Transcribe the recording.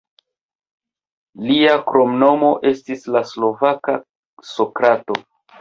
Lia kromnomo estis "la slovaka Sokrato".